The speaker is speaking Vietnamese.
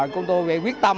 chúng tôi rất quyết tâm